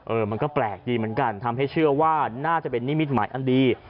มันก็แปลกดีเหมือนกันทำให้เชื่อว่าน่าจะเป็นนิมิตหมายอันดี